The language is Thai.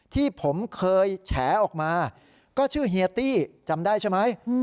ที่ผมเคยแฉออกมาก็ชื่อเฮียตี้จำได้ใช่ไหม